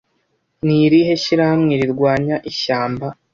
Ni irihe shyirahamwe rirwanya ishyamba